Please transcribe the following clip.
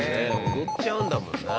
踊っちゃうんだもんな。